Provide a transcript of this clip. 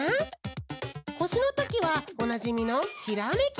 ほしのときはおなじみのひらめきのポーズ！